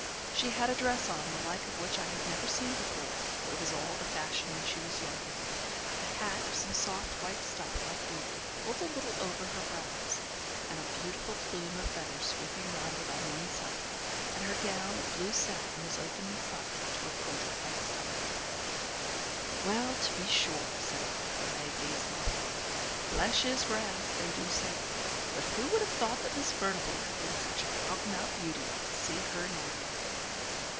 She had a dress on, the like of which I had never seen before, but it was all the fashion when she was young; a hat of some soft white stuff like beaver, pulled a little over her brows, and a beautiful plume of feathers sweeping round it on one side; and her gown of blue satin was open in front to a quilted white stomacher. 'Well, to be sure!' said I, when I had gazed my fill. 'Flesh is grass, they do say; but who would have thought that Miss Furnivall had been such an out and out beauty, to see her now.'